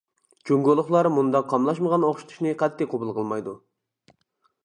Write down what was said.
جۇڭگولۇقلار بۇنداق قاملاشمىغان ئوخشىتىشنى قەتئىي قوبۇل قىلمايدۇ.